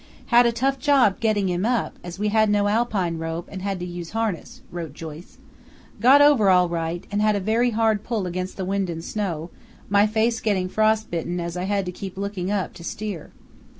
"Had a tough job getting him up, as we had no alpine rope and had to use harness," wrote Joyce. "Got over all right and had a very hard pull against wind and snow, my face getting frost bitten as I had to keep looking up to steer.